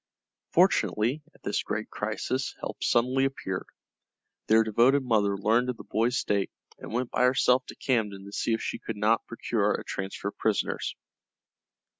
Fortunately, at this great crisis, help suddenly appeared. Their devoted mother learned of the boys' state, and went by herself to Camden to see if she could not procure a transfer of prisoners.